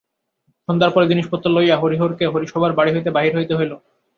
সন্ধ্যার পরে জিনিসপত্র লইয়া হরিহরকে হরিসভার বাড়ি হইতে বাহির হইতে হইল।